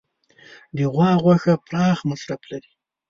د غوا غوښه پراخ مصرف لري.